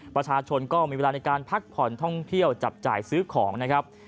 ประชาชนก็มีเวลาในการพักผ่อนท่องเที่ยวจับจ่ายซื้อของนะครับ